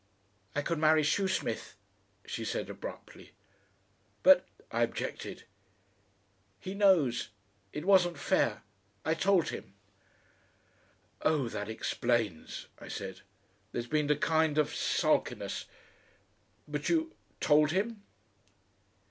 "I could marry Shoesmith," she said abruptly. "But " I objected. "He knows. It wasn't fair. I told him." "Oh, that explains," I said. "There's been a kind of sulkiness But you told him?"